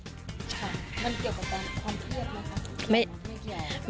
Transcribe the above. ค่ะมันเกี่ยวกับความเครียดไหมครับ